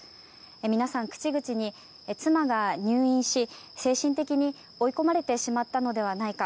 皆さん、口々に妻が入院し精神的に追い込まれてしまったのではないか